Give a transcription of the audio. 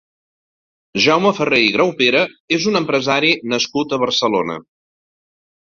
Jaume Ferrer i Graupera és un empresari nascut a Barcelona.